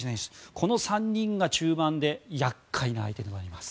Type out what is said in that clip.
この３人が中盤で厄介な相手となります。